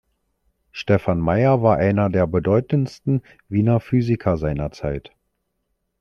Stefan Meyer war einer der bedeutendsten Wiener Physiker seiner Zeit.